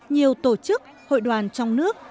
nhiều tổ chức hội đoàn trong nước